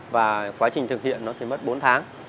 và quá trình thực hiện nó thì mất bốn tháng